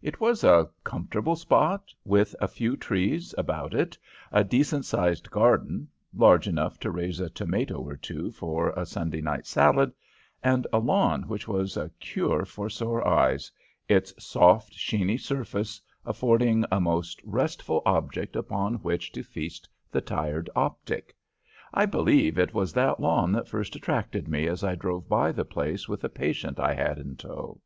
It was a comfortable spot, with a few trees about it, a decent sized garden large enough to raise a tomato or two for a Sunday night salad and a lawn which was a cure for sore eyes, its soft, sheeny surface affording a most restful object upon which to feast the tired optic. I believe it was that lawn that first attracted me as I drove by the place with a patient I had in tow.